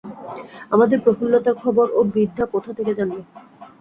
আমাদের প্রফুল্লতার খবর ও বৃদ্ধ কোথা থেকে জানবে?